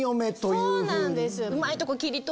そうなんです。